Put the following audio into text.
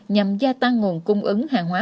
nhằm gia tăng nguồn cung ứng hàng hóa